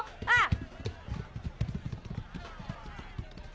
ああ。